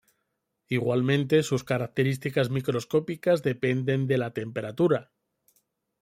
Igualmente, sus características microscópicas dependen de la temperatura.